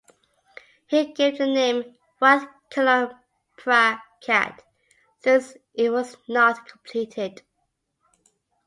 He gave the name "Wat Chaloem Phra Kiat" since it was not completed.